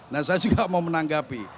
nah saya juga mau menanggapi